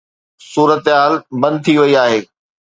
صورتحال بند ٿي وئي آهي.